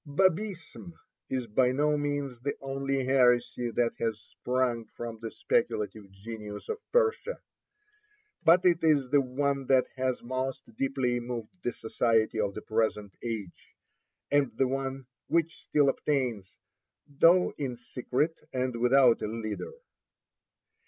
Babism is by no means the only heresy Ill 79 that has sprung from the speculative genius of Persia; but it is the one that has most deeply moved the society of the present age, and the one which still obtains, though in secret and without a leader.